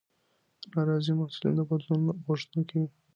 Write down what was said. ناراضي محصلین د بدلون غوښتونکي وي.